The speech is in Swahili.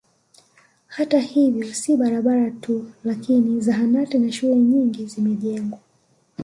Hata hivyo si barabara tu lakini zahanati na shule nyingi zimejengwa